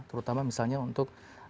terutama misalnya untuk